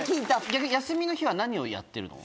逆に休みの日は何をやってるの？